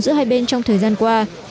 giữa hai bên trong thời gian qua